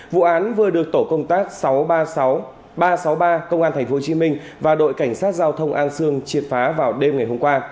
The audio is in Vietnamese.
vụ án vừa được tổ công tác sáu trăm ba mươi sáu ba trăm sáu mươi ba công an tp hcm và đội cảnh sát giao thông an sương triệt phá vào đêm ngày hôm qua